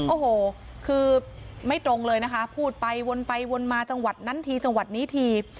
โอ้โหคือไม่ตรงเลยนะคะพูดไปวนไปวนมาจังหวัดนั้นทีจังหวัดนี้ที